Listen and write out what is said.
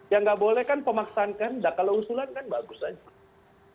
yang tidak boleh kan pemaksakan kalau usulan kan bagus saja